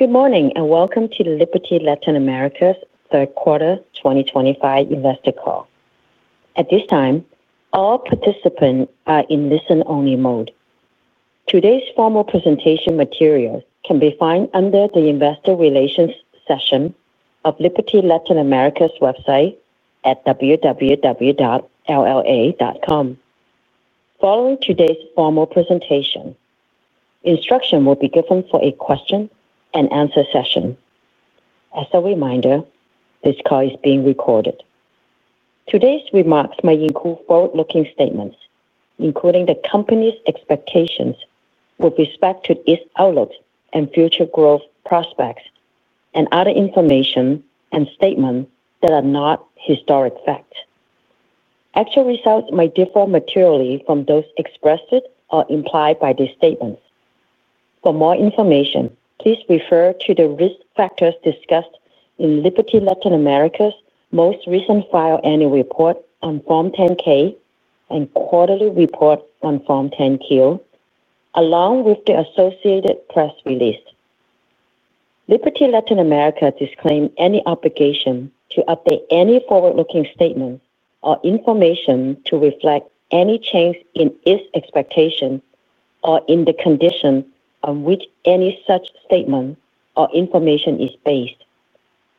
Good morning and welcome to Liberty Latin America's third quarter 2025 investor call. At this time, all participants are in listen-only mode. Today's formal presentation materials can be found under the Investor Relations section of Liberty Latin America's website at www.LLA.com. Following today's formal presentation, instruction will be given for a question-and-answer session. As a reminder, this call is being recorded. Today's remarks may include forward-looking statements, including the company's expectations with respect to its outlook and future growth prospects, and other information and statements that are not historic facts. Actual results may differ materially from those expressed or implied by these statements. For more information, please refer to the risk factors discussed in Liberty Latin America's most recent final annual report on Form 10-K and quarterly report on Form 10-Q, along with the associated press release. Liberty Latin America disclaims any obligation to update any forward-looking statements or information to reflect any change in its expectations or in the condition on which any such statement or information is based.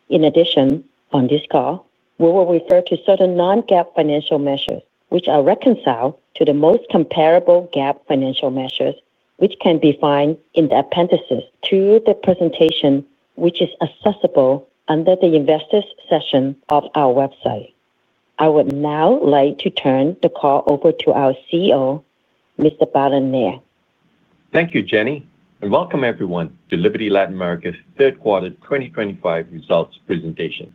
In addition, on this call, we will refer to certain Non-GAAP financial measures which are reconciled to the most comparable GAAP financial measures which can be found in the appendices to the presentation which is accessible under the investors' section of our website. I would now like to turn the call over to our CEO, Mr. Balan Nair. Thank you, Jenny. Welcome everyone to Liberty Latin America's third quarter 2025 results presentation.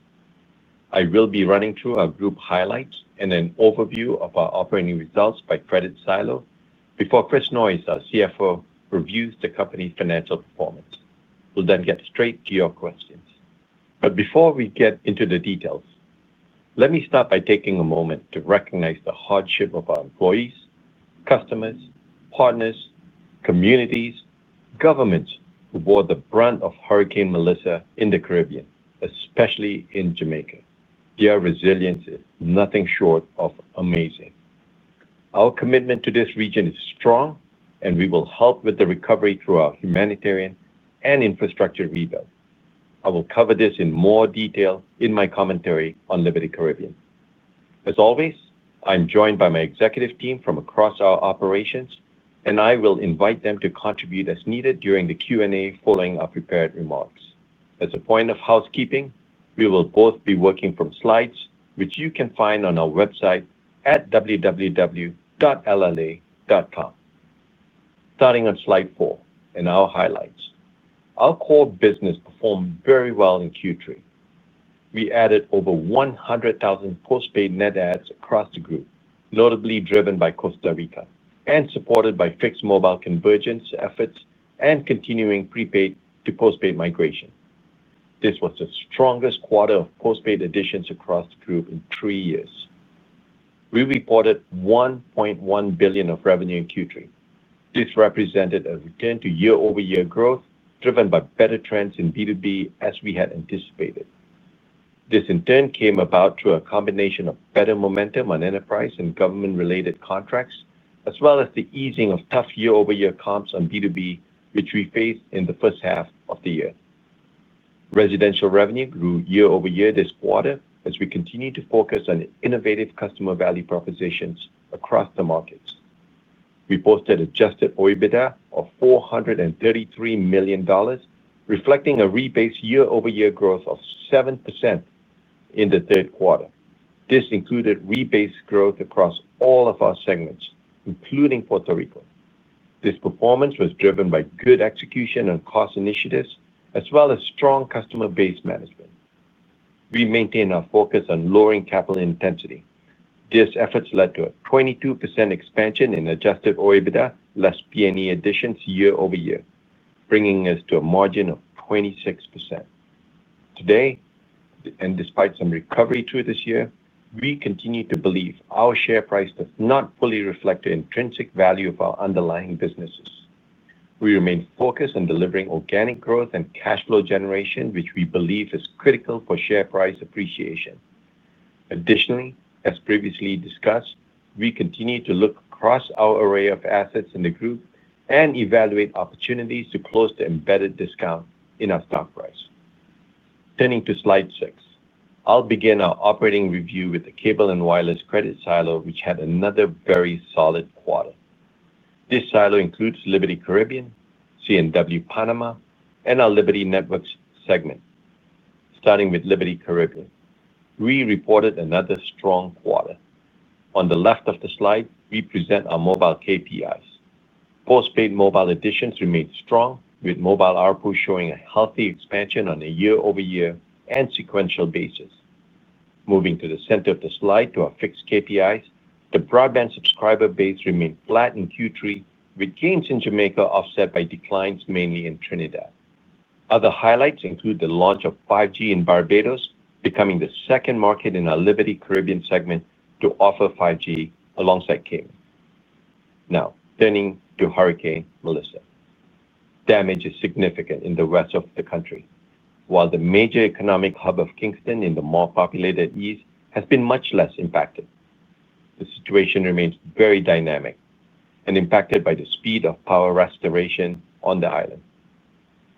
I will be running through our group highlights and an overview of our operating results by credit silo before Chris Noyes, our CFO, reviews the company's financial performance. We'll then get straight to your questions. Before we get into the details, let me start by taking a moment to recognize the hardship of our employees, customers, partners, communities, and governments who bore the brunt of Hurricane Melissa in the Caribbean, especially in Jamaica. Their resilience is nothing short of amazing. Our commitment to this region is strong, and we will help with the recovery through our humanitarian and infrastructure rebuild. I will cover this in more detail in my commentary on Liberty Caribbean. As always, I'm joined by my executive team from across our operations, and I will invite them to contribute as needed during the Q&A following our prepared remarks. As a point of housekeeping, we will both be working from slides which you can find on our website at www.LLA.com. Starting on slide four and our highlights, our core business performed very well in Q3. We added over 100,000 postpaid net adds across the group, notably driven by Costa Rica and supported by fixed mobile convergence efforts and continuing prepaid to postpaid migration. This was the strongest quarter of postpaid additions across the group in three years. We reported $1.1 billion of revenue in Q3. This represented a return to year-over-year growth driven by better trends in B2B as we had anticipated. This in turn came about through a combination of better momentum on enterprise and government-related contracts, as well as the easing of tough year-over-year comps on B2B which we faced in the first half of the year. Residential revenue grew year-over-year this quarter as we continued to focus on innovative customer value propositions across the markets. We posted Adjusted EBITDA of $433 million, reflecting a rebase year-over-year growth of 7% in the third quarter. This included rebase growth across all of our segments, including Puerto Rico. This performance was driven by good execution on cost initiatives, as well as strong customer base management. We maintained our focus on lowering capital intensity. These efforts led to a 22% expansion in Adjusted EBITDA/p&e additions year-over-year, bringing us to a margin of 26% today. Despite some recovery through this year, we continue to believe our share price does not fully reflect the intrinsic value of our underlying businesses. We remain focused on delivering organic growth and cash flow generation, which we believe is critical for share price appreciation. Additionally, as previously discussed, we continue to look across our array of assets in the group and evaluate opportunities to close the embedded discount in our stock price. Turning to slide six, I will begin our operating review with the Cable & Wireless credit silo, which had another very solid quarter. This silo includes Liberty Caribbean, C&W Panama, and our Liberty Networks segment. Starting with Liberty Caribbean, we reported another strong quarter. On the left of the slide, we present our mobile KPIs. Postpaid mobile additions remained strong, with mobile output showing a healthy expansion on a year-over-year and sequential basis. Moving to the center of the slide to our fixed KPIs, the broadband subscriber base remained flat in Q3, with gains in Jamaica offset by declines mainly in Trinidad. Other highlights include the launch of 5G in Barbados, becoming the second market in our Liberty Caribbean segment to offer 5G alongside cable. Now, turning to Hurricane Melissa. Damage is significant in the rest of the country, while the major economic hub of Kingston in the more populated east has been much less impacted. The situation remains very dynamic and impacted by the speed of power restoration on the island.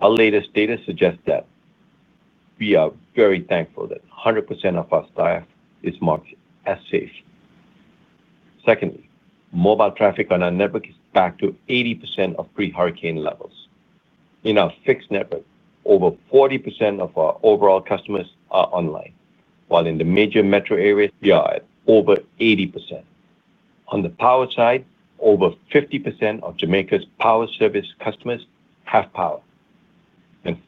Our latest data suggests that. We are very thankful that 100% of our staff is marked as safe. Secondly, mobile traffic on our network is back to 80% of pre-hurricane levels. In our fixed network, over 40% of our overall customers are online, while in the major metro areas, we are at over 80%. On the power side, over 50% of Jamaica's power service customers have power.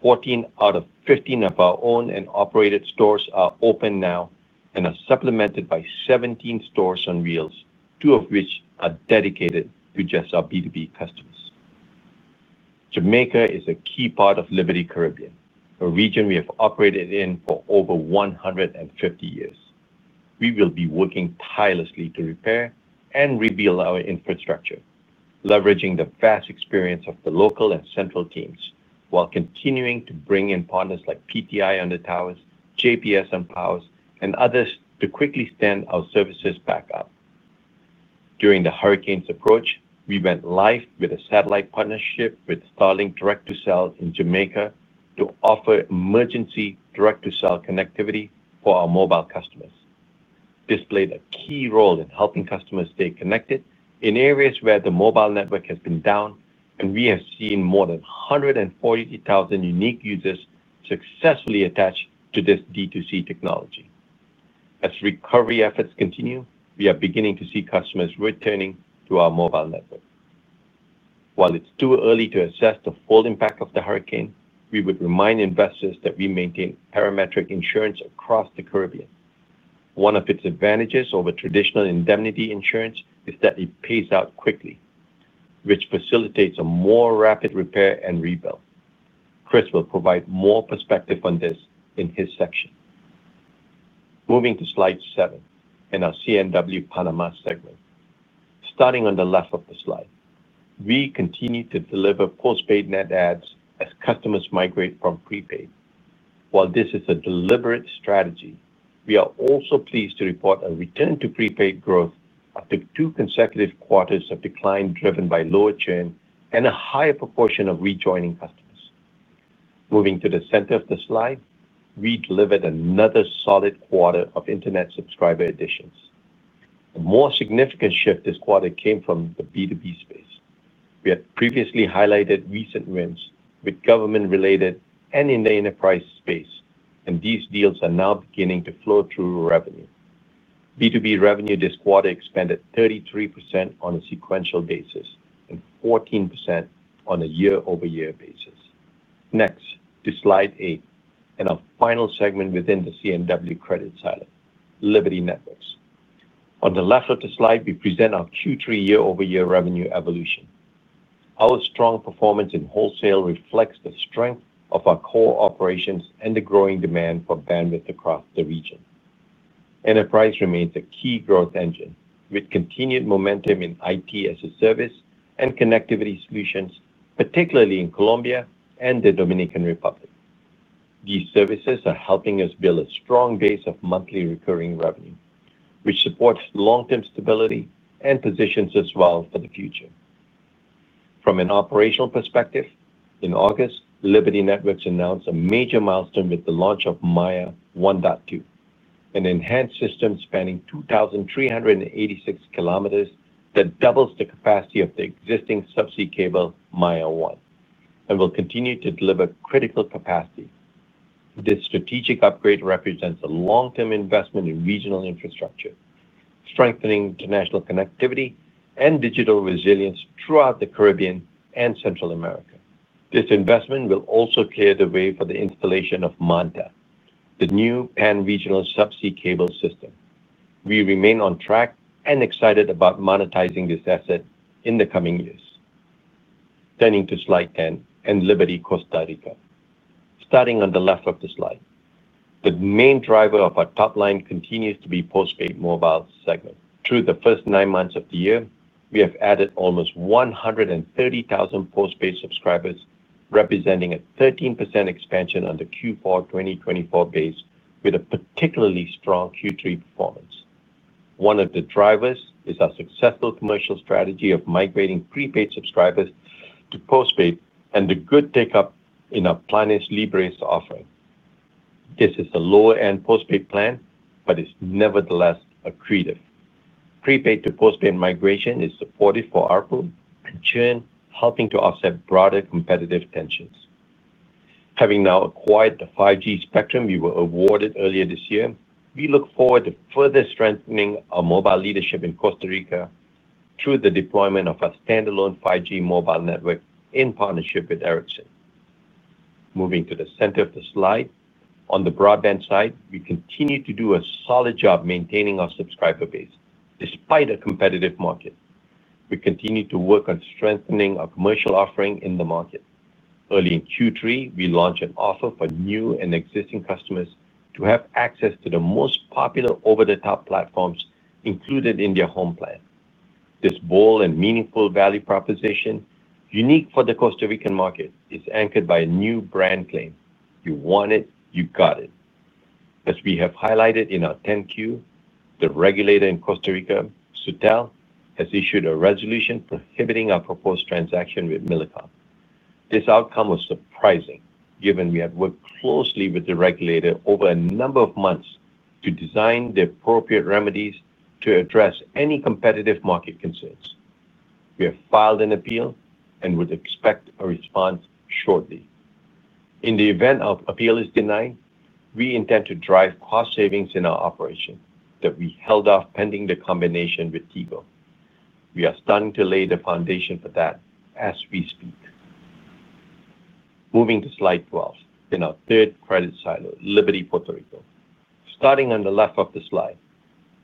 Fourteen out of fifteen of our own and operated stores are open now and are supplemented by 17 stores on wheels, two of which are dedicated to just our B2B customers. Jamaica is a key part of Liberty Caribbean, a region we have operated in for over 150 years. We will be working tirelessly to repair and rebuild our infrastructure, leveraging the vast experience of the local and central teams while continuing to bring in partners like PTI on the towers, JPS on power, and others to quickly stand our services back up. During the hurricane's approach, we went live with a satellite partnership with Starlink Direct-to-Cell in Jamaica to offer emergency Direct-to-Cell connectivity for our mobile customers. This played a key role in helping customers stay connected in areas where the mobile network has been down, and we have seen more than 140,000 unique users successfully attached to this D2C technology. As recovery efforts continue, we are beginning to see customers returning to our mobile network. While it is too early to assess the full impact of the hurricane, we would remind investors that we maintain parametric insurance across the Caribbean. One of its advantages over traditional indemnity insurance is that it pays out quickly, which facilitates a more rapid repair and rebuild. Chris will provide more perspective on this in his section. Moving to slide seven and our C&W Panama segment. Starting on the left of the slide, we continue to deliver postpaid net adds as customers migrate from prepaid. While this is a deliberate strategy, we are also pleased to report a return to prepaid growth after two consecutive quarters of decline driven by lower churn and a higher proportion of rejoining customers. Moving to the center of the slide, we delivered another solid quarter of internet subscriber additions. A more significant shift this quarter came from the B2B space. We had previously highlighted recent wins with government-related and in the enterprise space, and these deals are now beginning to flow through revenue. B2B revenue this quarter expanded 33% on a sequential basis and 14% on a year-over-year basis. Next, to slide eight and our final segment within the CNW credit silo, Liberty Networks. On the left of the slide, we present our Q3 year-over-year revenue evolution. Our strong performance in wholesale reflects the strength of our core operations and the growing demand for bandwidth across the region. Enterprise remains a key growth engine with continued momentum in IT as a service and connectivity solutions, particularly in Colombia and the Dominican Republic. These services are helping us build a strong base of monthly recurring revenue, which supports long-term stability and positions us well for the future. From an operational perspective, in August, Liberty Networks announced a major milestone with the launch of MAIA 1.2, an enhanced system spanning 2,386 km that doubles the capacity of the existing subsea cable MAIA 1 and will continue to deliver critical capacity. This strategic upgrade represents a long-term investment in regional infrastructure, strengthening international connectivity and digital resilience throughout the Caribbean and Central America. This investment will also clear the way for the installation of MANTA, the new pan-regional subsea cable system. We remain on track and excited about monetizing this asset in the coming years. Turning to slide 10 and Liberty Costa Rica. Starting on the left of the slide, the main driver of our top line continues to be the postpaid mobile segment. Through the first nine months of the year, we have added almost 130,000 postpaid subscribers, representing a 13% expansion on the Q4 2024 base with a particularly strong Q3 performance. One of the drivers is our successful commercial strategy of migrating prepaid subscribers to postpaid and the good take-up in our Planis Libres offering. This is a lower-end postpaid plan, but it is nevertheless accretive. Prepaid to postpaid migration is supportive for our pool and churn, helping to offset broader competitive tensions. Having now acquired the 5G spectrum we were awarded earlier this year, we look forward to further strengthening our mobile leadership in Costa Rica through the deployment of our standalone 5G mobile network in partnership with Ericsson. Moving to the center of the slide, on the broadband side, we continue to do a solid job maintaining our subscriber base despite a competitive market. We continue to work on strengthening our commercial offering in the market. Early in Q3, we launched an offer for new and existing customers to have access to the most popular over-the-top platforms included in their home plan. This bold and meaningful value proposition, unique for the Costa Rican market, is anchored by a new brand claim, "You want it, you got it." As we have highlighted in our 10Q, the regulator in Costa Rica, Sutel, has issued a resolution prohibiting our proposed transaction with Millicom. This outcome was surprising given we had worked closely with the regulator over a number of months to design the appropriate remedies to address any competitive market concerns. We have filed an appeal and would expect a response shortly. In the event our appeal is denied, we intend to drive cost savings in our operation that we held off pending the combination with TECO. We are starting to lay the foundation for that as we speak. Moving to slide 12 in our third credit silo, Liberty Puerto Rico. Starting on the left of the slide,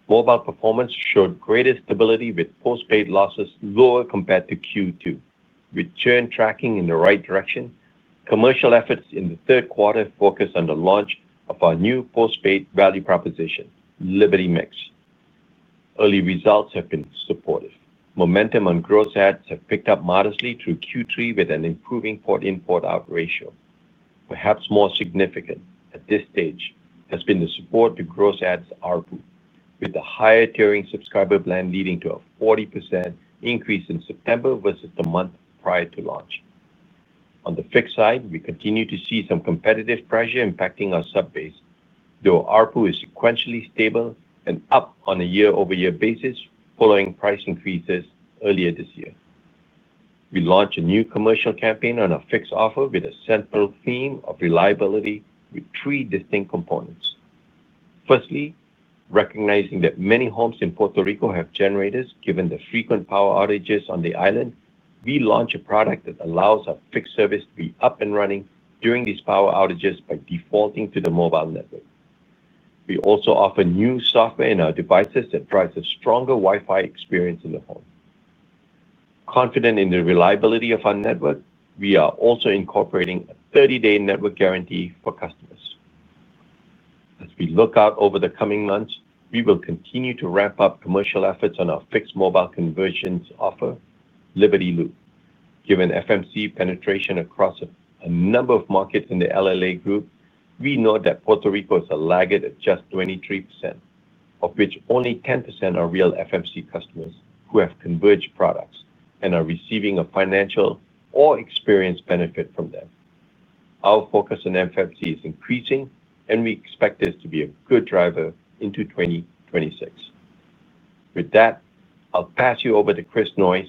mobile performance showed greater stability with postpaid losses lower compared to Q2, with churn tracking in the right direction. Commercial efforts in the third quarter focused on the launch of our new postpaid value proposition, Liberty Mix. Early results have been supportive. Momentum on gross ads have picked up modestly through Q3 with an improving port-in-port-out ratio. Perhaps more significant at this stage has been the support to gross ads ARPU, with the higher tiering subscriber plan leading to a 40% increase in September versus the month prior to launch. On the fixed side, we continue to see some competitive pressure impacting our sub base, though ARPU is sequentially stable and up on a year-over-year basis following price increases earlier this year. We launched a new commercial campaign on our fixed offer with a central theme of reliability with three distinct components. Firstly, recognizing that many homes in Puerto Rico have generators given the frequent power outages on the island, we launched a product that allows our fixed service to be up and running during these power outages by defaulting to the mobile network. We also offer new software in our devices that provides a stronger Wi-Fi experience in the home. Confident in the reliability of our network, we are also incorporating a 30-day network guarantee for customers. As we look out over the coming months, we will continue to ramp up commercial efforts on our fixed mobile conversions offer, Liberty Loop. Given FMC penetration across a number of markets in the LLA group, we know that Puerto Rico is a laggard at just 23%, of which only 10% are real FMC customers who have converged products and are receiving a financial or experience benefit from them. Our focus on FMC is increasing, and we expect this to be a good driver into 2026. With that, I'll pass you over to Chris Noyes,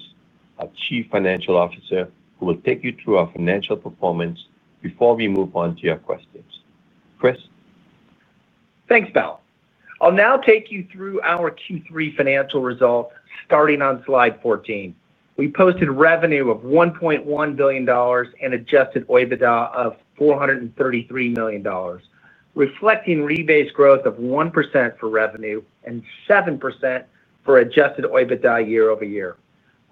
our Chief Financial Officer, who will take you through our financial performance before we move on to your questions. Chris. Thanks, Bal. I'll now take you through our Q3 financial results starting on slide 14. We posted revenue of $1.1 billion and Adjusted EBITDA of $433 million, reflecting rebase growth of 1% for revenue and 7% for Adjusted EBITDA year-over-year.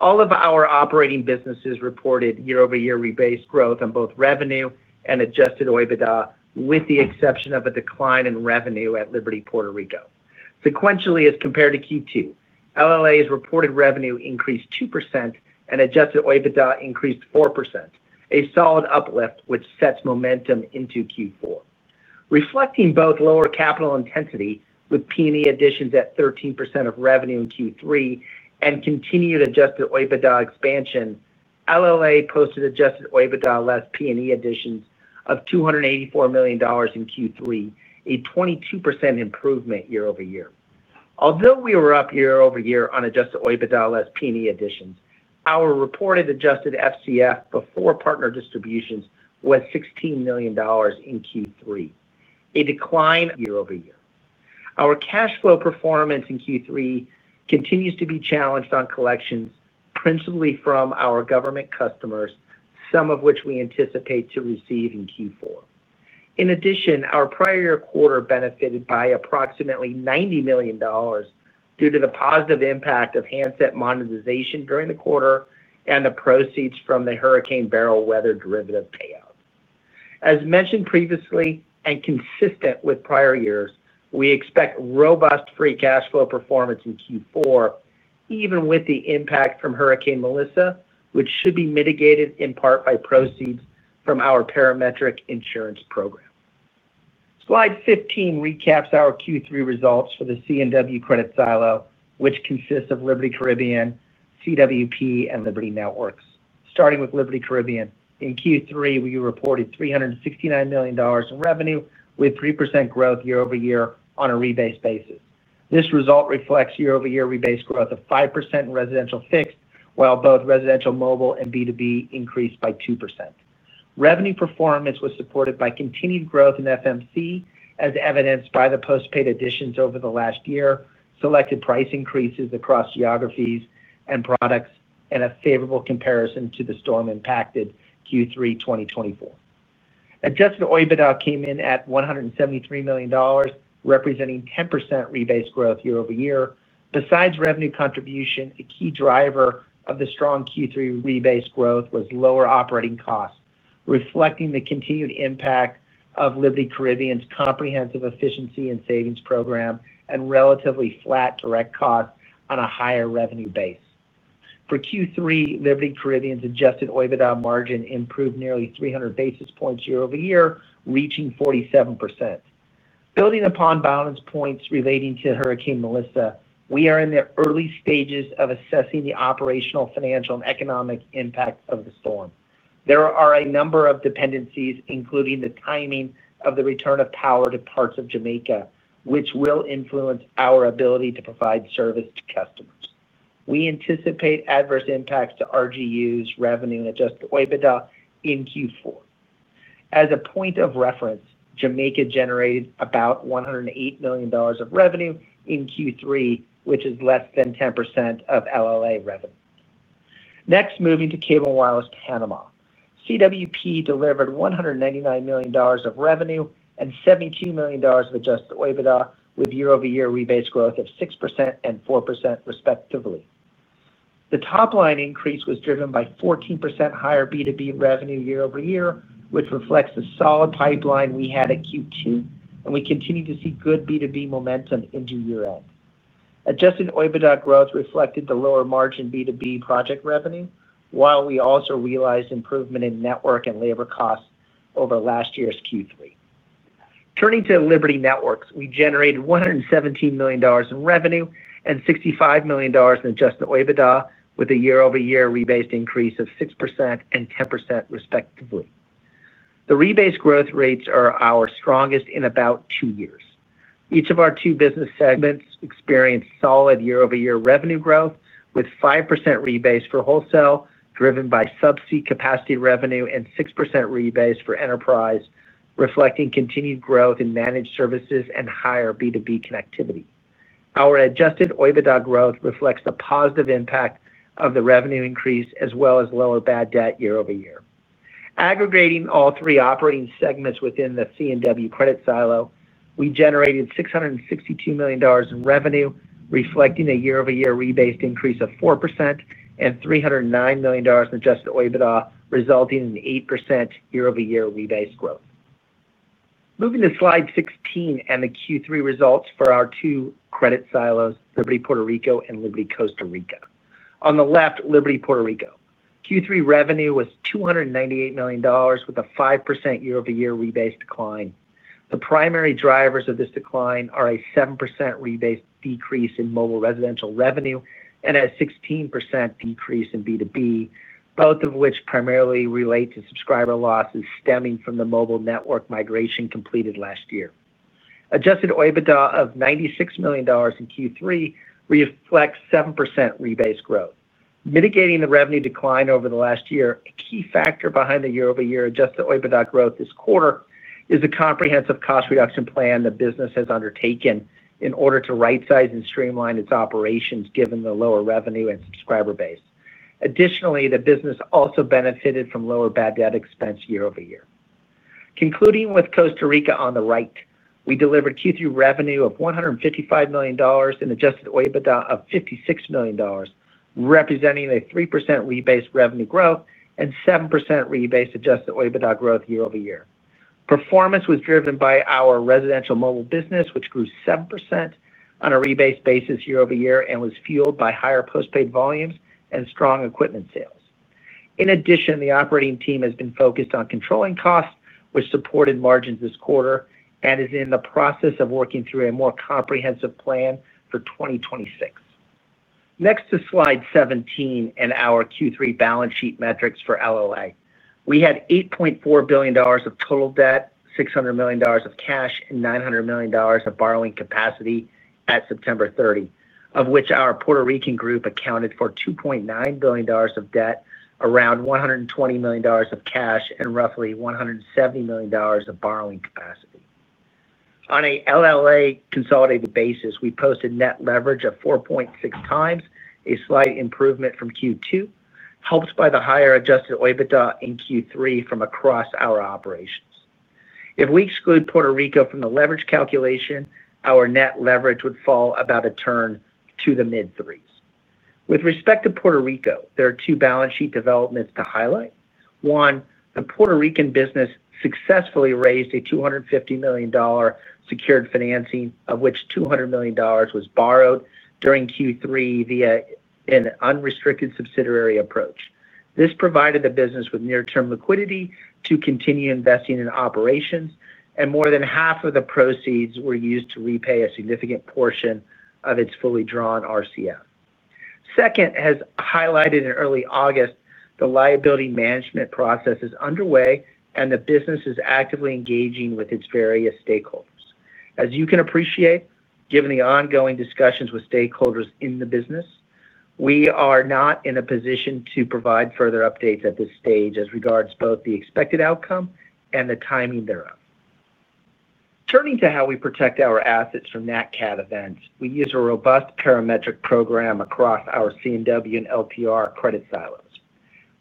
All of our operating businesses reported year-over-year rebase growth on both revenue and Adjusted EBITDA, with the exception of a decline in revenue at Liberty Puerto Rico. Sequentially, as compared to Q2, LLA's reported revenue increased 2% and Adjusted EBITDA increased 4%, a solid uplift which sets momentum into Q4. Reflecting both lower capital intensity with P&E additions at 13% of revenue in Q3 and continued Adjusted EBITDA expansion, LLA posted Adjusted EBITDA less P&E additions of $284 million in Q3, a 22% improvement year-over-year. Although we were up year-over-year on Adjusted EBITDA less P&E additions, our reported adjusted FCF before partner distributions was $16 million in Q3, a decline year-over-year. Our cash flow performance in Q3 continues to be challenged on collections, principally from our government customers, some of which we anticipate to receive in Q4. In addition, our prior year quarter benefited by approximately $90 million due to the positive impact of handset monetization during the quarter and the proceeds from the hurricane-barrel weather derivative payout. As mentioned previously and consistent with prior years, we expect robust free cash flow performance in Q4, even with the impact from Hurricane Melissa, which should be mitigated in part by proceeds from our parametric insurance program. Slide 15 recaps our Q3 results for the CNW credit silo, which consists of Liberty Caribbean, C&W Panama, and Liberty Networks. Starting with Liberty Caribbean, in Q3, we reported $369 million in revenue with 3% growth year-over-year on a rebase basis. This result reflects year-over-year rebase growth of 5% in residential fixed, while both residential mobile and B2B increased by 2%. Revenue performance was supported by continued growth in FMC, as evidenced by the postpaid additions over the last year, selected price increases across geographies and products, and a favorable comparison to the storm-impacted Q3 2024. Adjusted EBITDA came in at $173 million, representing 10% rebase growth year-over-year. Besides revenue contribution, a key driver of the strong Q3 rebase growth was lower operating costs, reflecting the continued impact of Liberty Caribbean's comprehensive efficiency and savings program and relatively flat direct costs on a higher revenue base. For Q3, Liberty Caribbean's Adjusted EBITDA margin improved nearly 300 basis points year-over-year, reaching 47%. Building upon Balan's points relating to Hurricane Melissa, we are in the early stages of assessing the operational, financial, and economic impact of the storm. There are a number of dependencies, including the timing of the return of power to parts of Jamaica, which will influence our ability to provide service to customers. We anticipate adverse impacts to RGUs, revenue, and Adjusted EBITDA in Q4. As a point of reference, Jamaica generated about $108 million of revenue in Q3, which is less than 10% of LLA revenue. Next, moving to Cable & Wireless Panama, CWP delivered $199 million of revenue and $72 million of Adjusted EBITDA with year-over-year rebase growth of 6% and 4%, respectively. The top line increase was driven by 14% higher B2B revenue year-over-year, which reflects the solid pipeline we had at Q2, and we continue to see good B2B momentum into year-end. Adjusted EBITDA growth reflected the lower margin B2B project revenue, while we also realized improvement in network and labor costs over last year's Q3. Turning to Liberty Networks, we generated $117 million in revenue and $65 million in Adjusted EBITDA with a year-over-year rebase increase of 6% and 10%, respectively. The rebase growth rates are our strongest in about two years. Each of our two business segments experienced solid year-over-year revenue growth with 5% rebase for wholesale driven by subsea capacity revenue and 6% rebase for enterprise, reflecting continued growth in managed services and higher B2B connectivity. Our Adjusted EBITDA growth reflects the positive impact of the revenue increase as well as lower bad debt year-over-year. Aggregating all three operating segments within the CNW credit silo, we generated $662 million in revenue, reflecting a year-over-year rebase increase of 4% and $309 million in Adjusted EBITDA, resulting in 8% year-over-year rebase growth. Moving to slide 16 and the Q3 results for our two credit silos, Liberty Puerto Rico and Liberty Costa Rica. On the left, Liberty Puerto Rico. Q3 revenue was $298 million with a 5% year-over-year rebase decline. The primary drivers of this decline are a 7% rebase decrease in mobile residential revenue and a 16% decrease in B2B, both of which primarily relate to subscriber losses stemming from the mobile network migration completed last year. Adjusted EBITDA of $96 million in Q3 reflects 7% rebase growth. Mitigating the revenue decline over the last year, a key factor behind the year-over-year Adjusted EBITDA growth this quarter is the comprehensive cost reduction plan the business has undertaken in order to right-size and streamline its operations given the lower revenue and subscriber base. Additionally, the business also benefited from lower bad debt expense year-over-year. Concluding with Costa Rica on the right, we delivered Q3 revenue of $155 million and Adjusted EBITDA of $56 million. Representing a 3% rebase revenue growth and 7% rebase Adjusted EBITDA growth year-over-year. Performance was driven by our residential mobile business, which grew 7% on a rebase basis year-over-year and was fueled by higher postpaid volumes and strong equipment sales. In addition, the operating team has been focused on controlling costs, which supported margins this quarter and is in the process of working through a more comprehensive plan for 2026. Next to slide 17 and our Q3 balance sheet metrics for LLA, we had $8.4 billion of total debt, $600 million of cash, and $900 million of borrowing capacity at September 30, of which our Puerto Rican group accounted for $2.9 billion of debt, around $120 million of cash, and roughly $170 million of borrowing capacity. On a LLA consolidated basis, we posted net leverage of 4.6 times, a slight improvement from Q2, helped by the higher Adjusted EBITDA in Q3 from across our operations. If we exclude Puerto Rico from the leverage calculation, our net leverage would fall about a turn to the mid-threes. With respect to Puerto Rico, there are two balance sheet developments to highlight. One, the Puerto Rican business successfully raised a $250 million secured financing, of which $200 million was borrowed during Q3 via an unrestricted subsidiary approach. This provided the business with near-term liquidity to continue investing in operations, and more than half of the proceeds were used to repay a significant portion of its fully drawn RCF. Second, as highlighted in early August, the liability management process is underway, and the business is actively engaging with its various stakeholders. As you can appreciate, given the ongoing discussions with stakeholders in the business, we are not in a position to provide further updates at this stage as regards both the expected outcome and the timing thereof. Turning to how we protect our assets from NatCAT events, we use a robust parametric program across our CNW and LPR credit silos.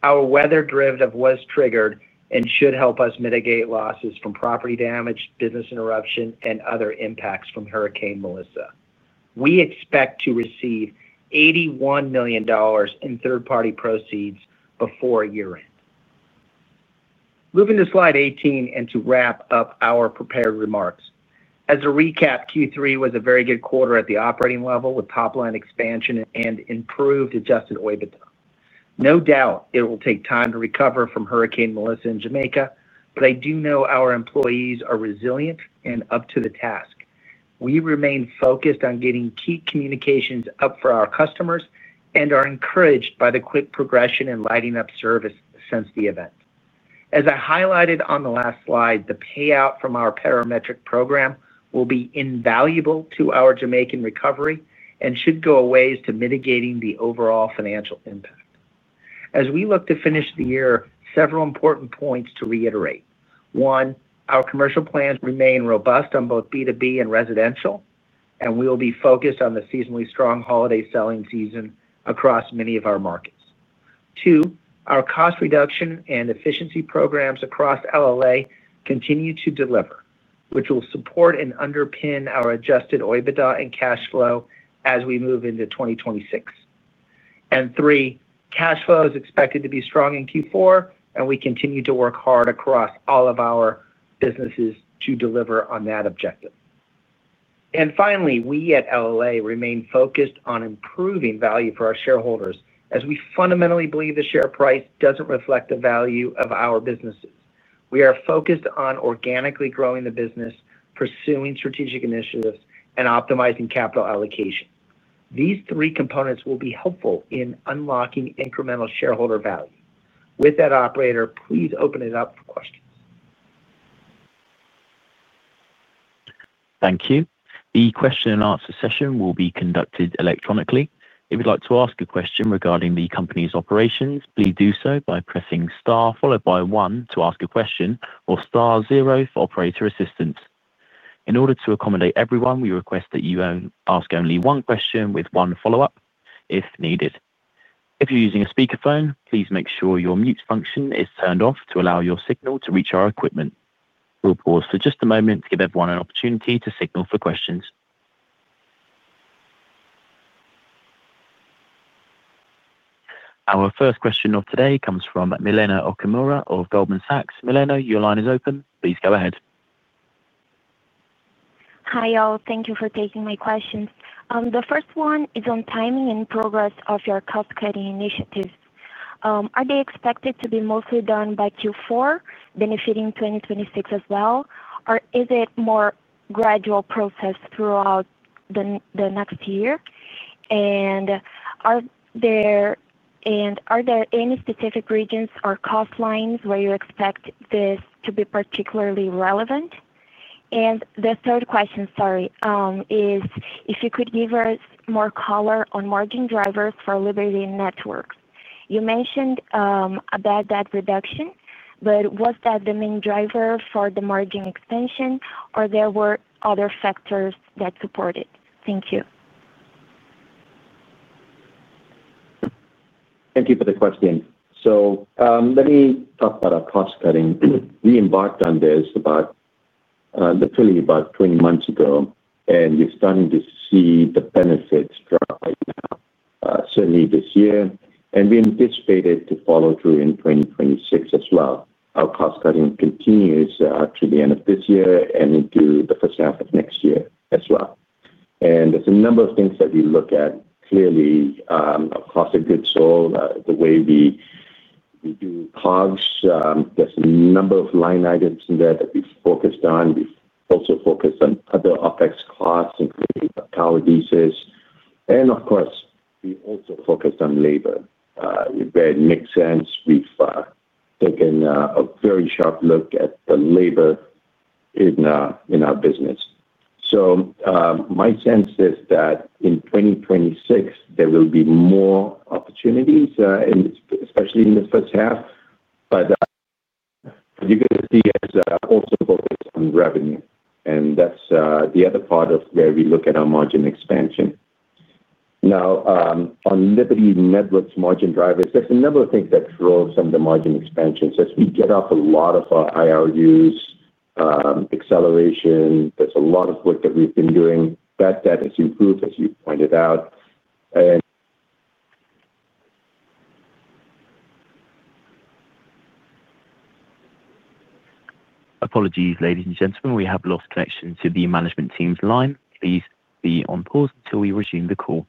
Our weather drift was triggered and should help us mitigate losses from property damage, business interruption, and other impacts from Hurricane Melissa. We expect to receive $81 million in third-party proceeds before year-end. Moving to slide 18 and to wrap up our prepared remarks. As a recap, Q3 was a very good quarter at the operating level with top line expansion and improved Adjusted EBITDA. No doubt it will take time to recover from Hurricane Melissa in Jamaica, but I do know our employees are resilient and up to the task. We remain focused on getting key communications up for our customers and are encouraged by the quick progression in lighting up service since the event. As I highlighted on the last slide, the payout from our parametric program will be invaluable to our Jamaican recovery and should go a ways to mitigating the overall financial impact. As we look to finish the year, several important points to reiterate. One, our commercial plans remain robust on both B2B and residential, and we will be focused on the seasonally strong holiday selling season across many of our markets. Two, our cost reduction and efficiency programs across LLA continue to deliver, which will support and underpin our Adjusted EBITDA and cash flow as we move into 2026. Three, cash flow is expected to be strong in Q4, and we continue to work hard across all of our businesses to deliver on that objective. Finally, we at LLA remain focused on improving value for our shareholders as we fundamentally believe the share price does not reflect the value of our businesses. We are focused on organically growing the business, pursuing strategic initiatives, and optimizing capital allocation. These three components will be helpful in unlocking incremental shareholder value. With that, operator, please open it up for questions. Thank you. The question-and-answer session will be conducted electronically. If you'd like to ask a question regarding the company's operations, please do so by pressing Star followed by One to ask a question or Star Zero for operator assistance. In order to accommodate everyone, we request that you ask only one question with one follow-up if needed. If you're using a speakerphone, please make sure your mute function is turned off to allow your signal to reach our equipment. We'll pause for just a moment to give everyone an opportunity to signal for questions. Our first question of today comes from Milenna Okamura of Goldman Sachs. Milenna, your line is open. Please go ahead. Hi, y'all. Thank you for taking my questions. The first one is on timing and progress of your cost-cutting initiatives. Are they expected to be mostly done by Q4, benefiting 2026 as well, or is it a more gradual process throughout the next year? Are there any specific regions or cost lines where you expect this to be particularly relevant? The third question, sorry, is if you could give us more color on margin drivers for Liberty Networks. You mentioned a bad debt reduction, but was that the main driver for the margin extension, or were there other factors that supported? Thank you. Thank you for the question. Let me talk about our cost-cutting. We embarked on this literally about 20 months ago, and we're starting to see the benefits drop right now, certainly this year. We anticipated it to follow through in 2026 as well. Our cost-cutting continues through the end of this year and into the first half of next year as well. There are a number of things that we look at clearly. Across a good soil, the way we do costs, there are a number of line items in there that we focused on. We also focused on other OpEx costs, including power usage. Of course, we also focused on labor. It makes sense. We've taken a very sharp look at the labor in our business. My sense is that in 2026, there will be more opportunities, especially in the first half. You are going to see us also focused on revenue. That is the other part of where we look at our margin expansion. Now, on Liberty Networks' margin drivers, there are a number of things that draw some of the margin expansion. As we get off a lot of our IRUs, acceleration, there is a lot of work that we have been doing. That debt has improved, as you pointed out. Apologies, ladies and gentlemen. We have lost connection to the management team's line. Please be on pause until we resume the call.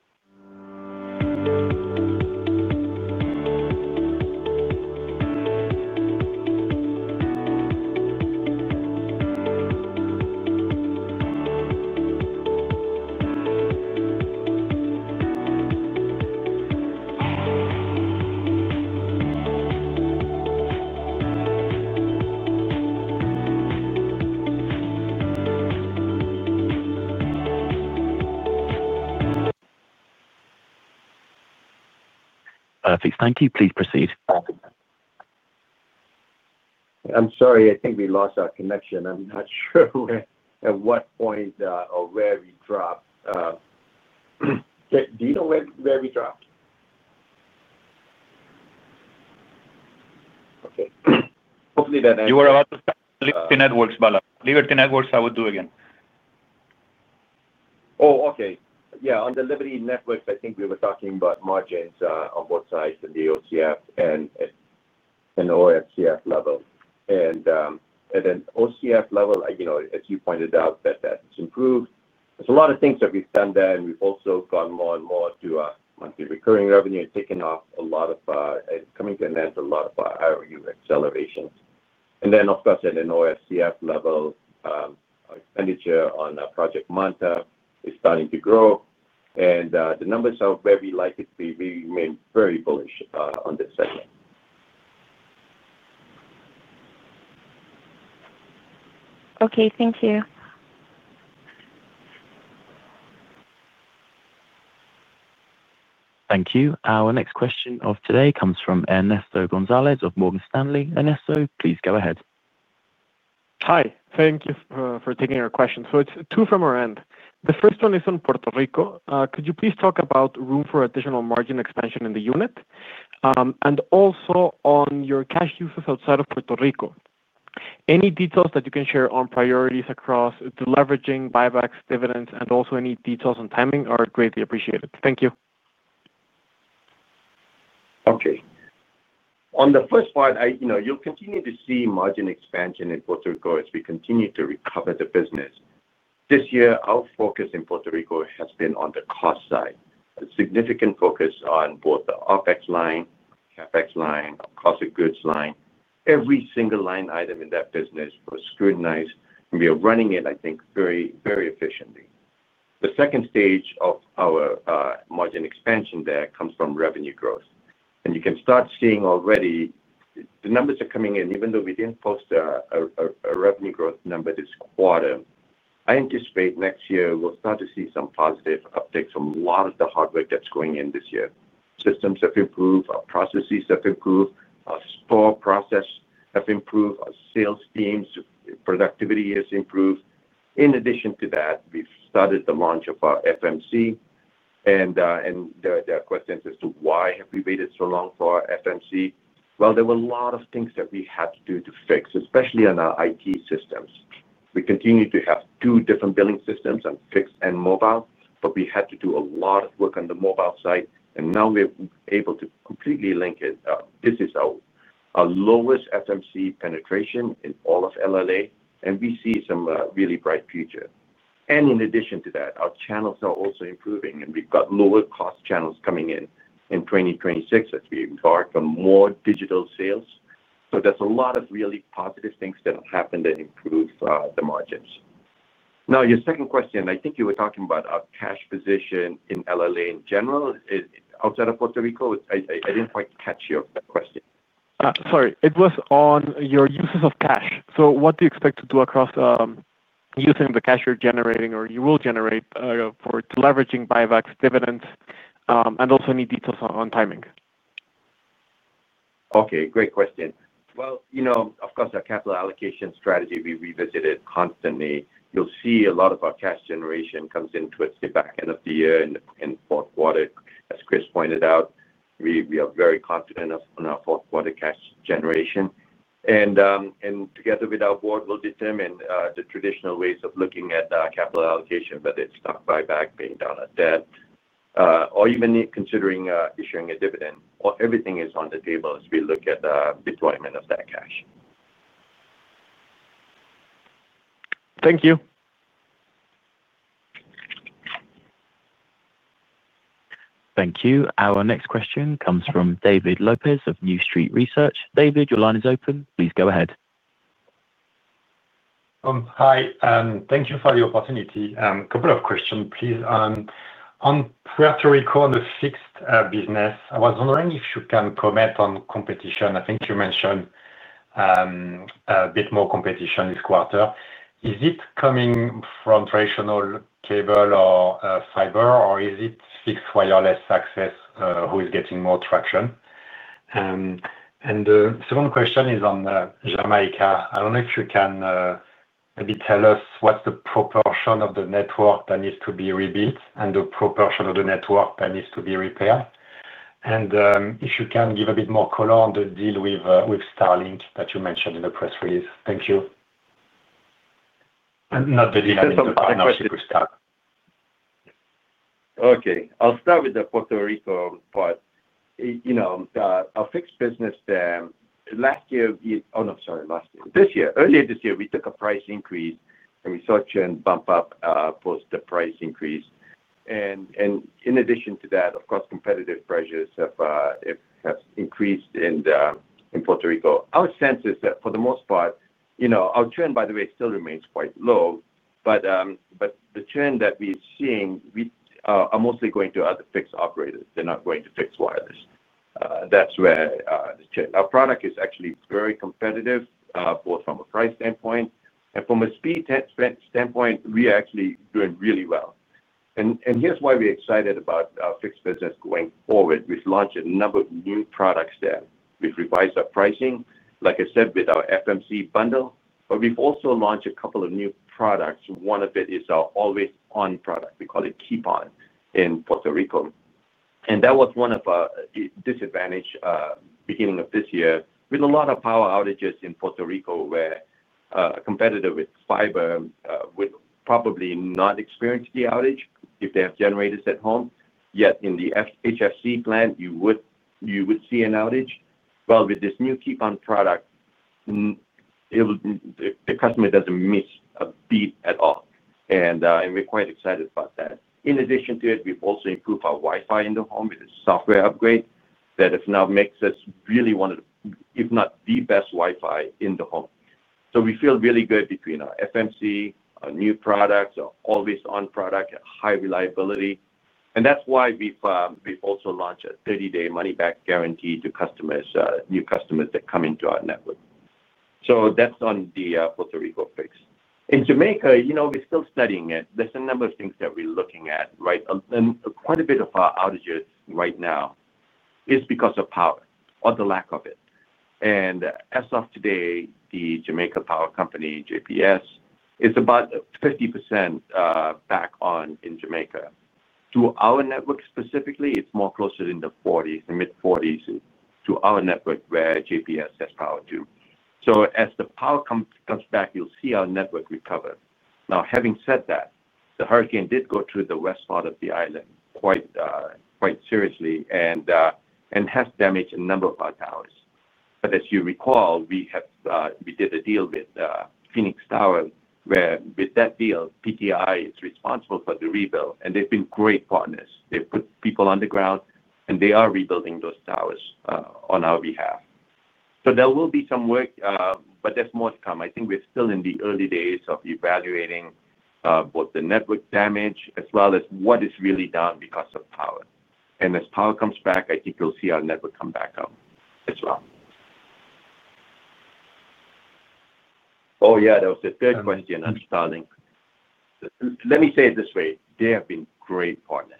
Perfect. Thank you. Please proceed. Perfect. I'm sorry. I think we lost our connection. I'm not sure at what point or where we dropped. Do you know where we dropped? Okay. Hopefully, that answers your question. You were about to say Liberty Networks, but leave it to Networks. I will do it again. Oh, okay. Yeah. On the Liberty Networks, I think we were talking about margins on both sides of the OCF and OFCF level. At an OCF level, as you pointed out, that debt has improved. There's a lot of things that we've done there, and we've also gone more and more to monthly recurring revenue and taken off a lot of and coming to an end to a lot of our IRU acceleration. Of course, at an OFCF level, expenditure on Project MANTA is starting to grow. The numbers are where we like it to be. We remain very bullish on this segment. Okay. Thank you. Thank you. Our next question of today comes from Ernesto González of Morgan Stanley. Ernesto, please go ahead. Hi. Thank you for taking our questions. It's two from our end. The first one is on Puerto Rico. Could you please talk about room for additional margin expansion in the unit and also on your cash uses outside of Puerto Rico? Any details that you can share on priorities across the leveraging, buybacks, dividends, and also any details on timing are greatly appreciated. Thank you. Okay. On the first part, you'll continue to see margin expansion in Puerto Rico as we continue to recover the business. This year, our focus in Puerto Rico has been on the cost side. A significant focus on both the OpEx line, CapEx line, cost of goods line. Every single line item in that business was scrutinized, and we are running it, I think, very efficiently. The second stage of our margin expansion there comes from revenue growth. You can start seeing already. The numbers are coming in. Even though we did not post a revenue growth number this quarter, I anticipate next year we will start to see some positive updates from a lot of the hard work that is going in this year. Systems have improved. Our processes have improved. Our store process has improved. Our sales team's productivity has improved. In addition to that, we have started the launch of our FMC. The question is as to why have we waited so long for our FMC? There were a lot of things that we had to do to fix, especially on our IT systems. We continue to have two different billing systems, fixed and mobile, but we had to do a lot of work on the mobile side. Now we are able to completely link it. This is our lowest FMC penetration in all of LLA, and we see some really bright future. In addition to that, our channels are also improving, and we have got lower-cost channels coming in in 2026 as we embark on more digital sales. There are a lot of really positive things that have happened that improve the margins. Now, your second question, I think you were talking about our cash position in LLA in general outside of Puerto Rico. I did not quite catch your question. Sorry. It was on your uses of cash. So what do you expect to do across. Using the cash you are generating or you will generate for leveraging, buybacks, dividends, and also any details on timing? Okay. Great question. Of course, our capital allocation strategy, we revisit it constantly. You will see a lot of our cash generation comes into its back end of the year and fourth quarter, as Chris pointed out. We are very confident on our fourth-quarter cash generation. Together with our board, we will determine the traditional ways of looking at capital allocation, whether it is stock buyback, being down on debt, or even considering issuing a dividend. Everything is on the table as we look at the deployment of that cash. Thank you. Thank you. Our next question comes from David Lopes of New Street Research. David, your line is open. Please go ahead. Hi. Thank you for the opportunity. A couple of questions, please. On Puerto Rico, on the fixed business, I was wondering if you can comment on competition. I think you mentioned a bit more competition this quarter. Is it coming from traditional cable or fiber, or is it fixed wireless access who is getting more traction? The second question is on Jamaica. I do not know if you can maybe tell us what is the proportion of the network that needs to be rebuilt and the proportion of the network that needs to be repaired. If you can give a bit more color on the deal with Starlink that you mentioned in the press release. Thank you. Not the deal, the partnership with Star. Okay. I'll start with the Puerto Rico part. Our fixed business. This year, earlier this year, we took a price increase, and we saw a churn bump up post the price increase. In addition to that, of course, competitive pressures have increased in Puerto Rico. Our sense is that, for the most part, our churn, by the way, still remains quite low. The churn that we're seeing is mostly going to other fixed operators. They're not going to fixed wireless. That's where the churn—our product is actually very competitive both from a price standpoint and from a speed standpoint. We are actually doing really well. Here's why we're excited about our fixed business going forward. We've launched a number of new products there. We've revised our pricing, like I said, with our FMC bundle. We've also launched a couple of new products. One of it is our always-on product. We call it Keep On in Puerto Rico. That was one of our disadvantages beginning of this year. We had a lot of power outages in Puerto Rico where a competitor with fiber would probably not experience the outage if they have generators at home. Yet in the HFC plant, you would see an outage. With this new Keep On product, the customer does not miss a beat at all. We're quite excited about that. In addition to it, we've also improved our Wi-Fi in the home with a software upgrade that now makes us really one of the, if not the best Wi-Fi in the home. We feel really good between our FMC, our new products, our always-on product, high reliability. That is why we've also launched a 30-day money-back guarantee to new customers that come into our network. That is on the Puerto Rico fix. In Jamaica, we're still studying it. There are a number of things that we're looking at, right? Quite a bit of our outages right now is because of power or the lack of it. As of today, the Jamaica Power Company, JPS, is about 50% back on in Jamaica. To our network specifically, it is more closer in the mid-40s to our network where JPS has power to. As the power comes back, you'll see our network recover. Now, having said that, the hurricane did go through the west part of the island quite seriously and has damaged a number of our towers. As you recall, we did a deal with Phoenix Tower where, with that deal, PTI is responsible for the rebuild. They have been great partners. They've put people on the ground, and they are rebuilding those towers on our behalf. There will be some work, but there's more to come. I think we're still in the early days of evaluating both the network damage as well as what is really down because of power. As power comes back, I think you'll see our network come back up as well. Oh, yeah. That was the third question on Starlink. Let me say it this way. They have been great partners.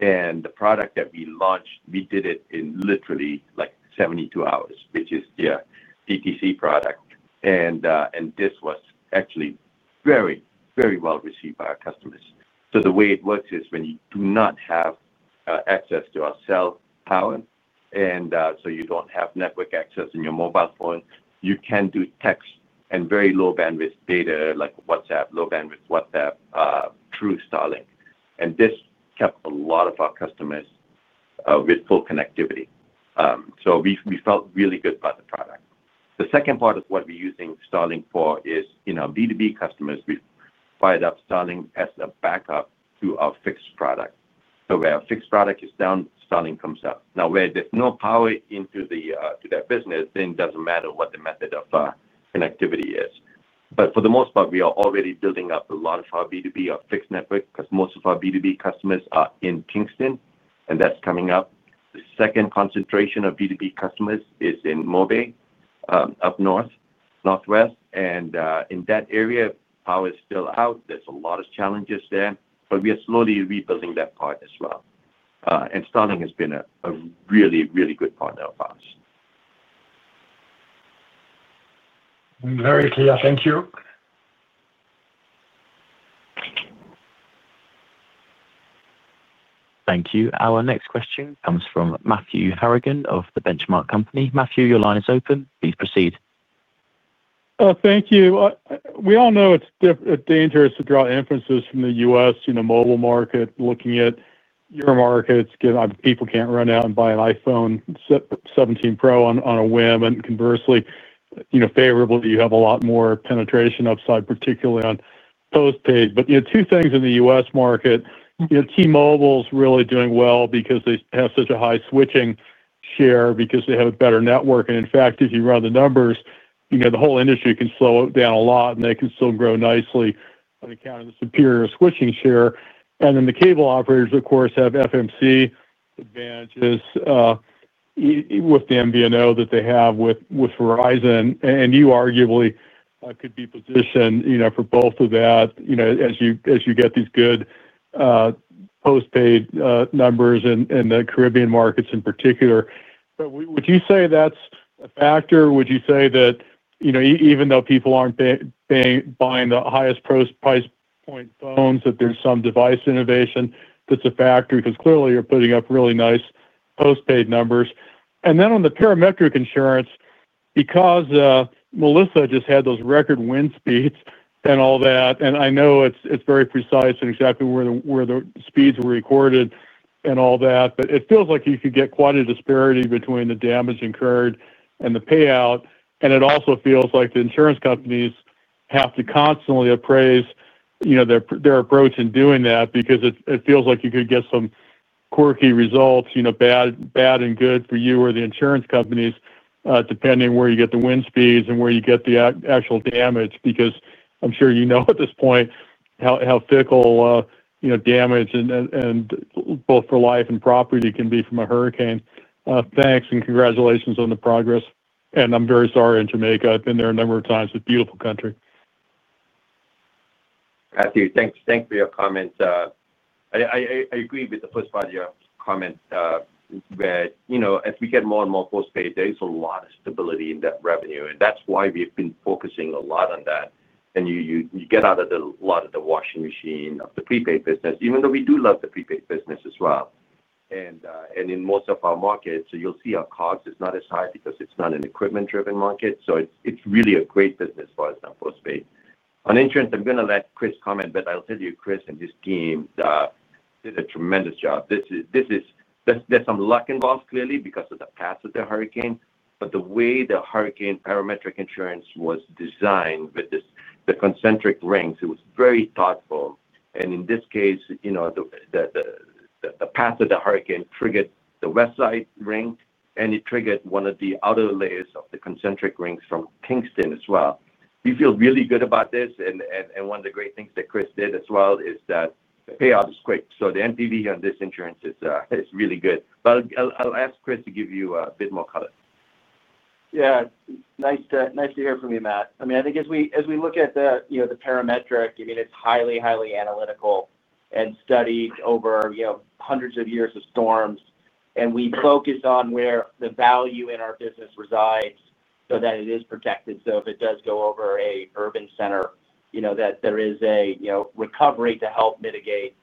The product that we launched, we did it in literally like 72 hours, which is their D2C product. This was actually very, very well received by our customers. The way it works is when you do not have access to our cell power, and so you do not have network access in your mobile phone, you can do text and very low-bandwidth data like WhatsApp, low-bandwidth WhatsApp through Starlink. This kept a lot of our customers with full connectivity. We felt really good about the product. The second part of what we are using Starlink for is B2B customers. We fired up Starlink as a backup to our fixed product. Where our fixed product is down, Starlink comes up. Now, where there is no power into their business, then it does not matter what the method of connectivity is. For the most part, we are already building up a lot of our B2B, our fixed network, because most of our B2B customers are in Kingston, and that's coming up. The second concentration of B2B customers is in Mobay, up north, northwest. In that area, power is still out. There are a lot of challenges there. We are slowly rebuilding that part as well. Starlink has been a really, really good partner of ours. Very clear. Thank you. Thank you. Our next question comes from Matthew Harrigan of The Benchmark Company. Matthew, your line is open. Please proceed. Thank you. We all know it's dangerous to draw inferences from the U.S. in the mobile market. Looking at your markets, people can't run out and buy an iPhone 17 Pro on a whim. Conversely, favorably, you have a lot more penetration upside, particularly on postpaid. Two things in the U.S. market. T-Mobile's really doing well because they have such a high switching share because they have a better network. In fact, if you run the numbers, the whole industry can slow down a lot, and they can still grow nicely on account of the superior switching share. The cable operators, of course, have FMC advantages with the MVNO that they have with Verizon. You arguably could be positioned for both of that as you get these good postpaid numbers in the Caribbean markets in particular. Would you say that's a factor? Would you say that even though people aren't buying the highest price point phones, that there's some device innovation that's a factor because clearly you're putting up really nice postpaid numbers? On the parametric insurance, because. Melissa just had those record wind speeds and all that, and I know it is very precise and exactly where the speeds were recorded and all that, but it feels like you could get quite a disparity between the damage incurred and the payout. It also feels like the insurance companies have to constantly appraise their approach in doing that because it feels like you could get some quirky results, bad and good for you or the insurance companies, depending on where you get the wind speeds and where you get the actual damage. I am sure you know at this point how fickle damage, both for life and property, can be from a hurricane. Thanks and congratulations on the progress. I am very sorry in Jamaica. I have been there a number of times. It is a beautiful country. Matthew, thanks for your comment. I agree with the first part of your comment. Whereas we get more and more postpaid, there is a lot of stability in that revenue. That is why we've been focusing a lot on that. You get out of a lot of the washing machine of the prepaid business, even though we do love the prepaid business as well. In most of our markets, you'll see our cost is not as high because it's not an equipment-driven market. It is really a great business for us on postpaid. On insurance, I'm going to let Chris comment, but I'll tell you, Chris and his team did a tremendous job. There is some luck involved clearly because of the path of the hurricane. The way the hurricane parametric insurance was designed with the concentric rings, it was very thoughtful. In this case. The path of the hurricane triggered the west side ring, and it triggered one of the outer layers of the concentric rings from Kingston as well. We feel really good about this. One of the great things that Chris did as well is that the payout is quick. The NPV on this insurance is really good. I'll ask Chris to give you a bit more color. Yeah. Nice to hear from you, Matt. I mean, I think as we look at the parametric, I mean, it's highly, highly analytical and studied over hundreds of years of storms. We focus on where the value in our business resides so that it is protected. If it does go over a urban center, there is a recovery to help mitigate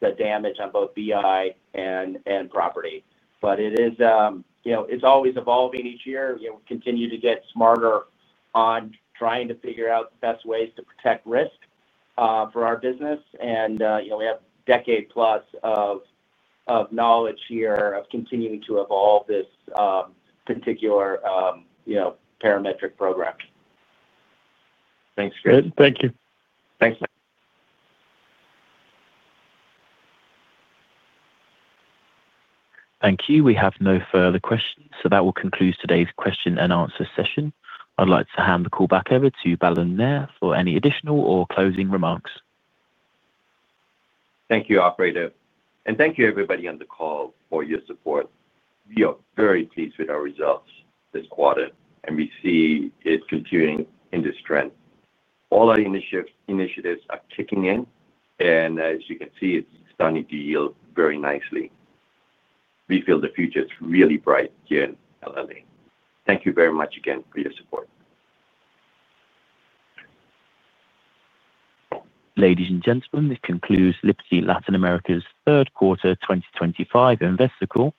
the damage on both BI and property. It's always evolving each year. We continue to get smarter on trying to figure out the best ways to protect risk for our business. And we have a decade-plus of knowledge here of continuing to evolve this particular parametric program. Thanks, Chris. Thank you. Thanks, Matt. Thank you. We have no further questions. That will conclude today's question-and-answer session. I'd like to hand the call back over to Balan Nair for any additional or closing remarks. Thank you, operator. And thank you, everybody on the call, for your support. We are very pleased with our results this quarter, and we see it continuing in the strength. All our initiatives are kicking in. As you can see, it's starting to yield very nicely. We feel the future is really bright here in LLA. Thank you very much again for your support. Ladies and gentlemen, this concludes Liberty Latin America's third quarter 2025 investor call.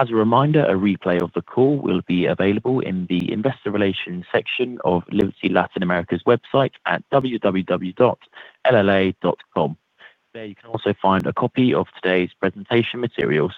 As a reminder, a replay of the call will be available in the investor relations section of Liberty Latin America's website at www.LLA.com. There you can also find a copy of today's presentation materials.